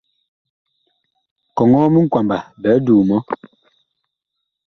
Kɔŋɔɔ minkwamba biig duu mɔ.